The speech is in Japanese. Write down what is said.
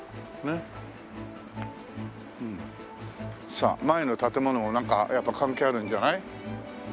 さあ前の建物もなんかやっぱ関係あるんじゃない？